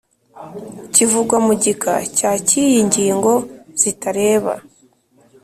Kivugwa mu gika cya cy iyi ngingo zitareba